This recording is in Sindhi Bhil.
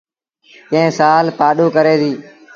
ڪݩهݩ سآل پآڏو ڪري ديٚ۔